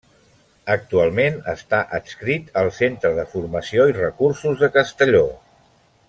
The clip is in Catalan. Actualment està adscrit al Centre de Formació i Recursos de Castelló.